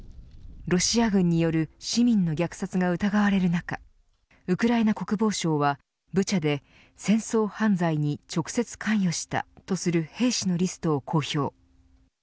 ロシア軍による市民の虐殺が疑われる中ウクライナ国防省はブチャで戦争犯罪に直接関与したとする兵士のリストを公表。